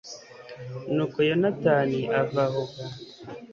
nuko yonatani ava aho